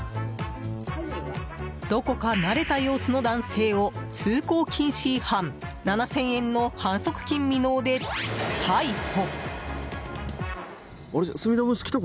どこか慣れた様子の男性を通行禁止違反７０００円の反則金未納で逮捕！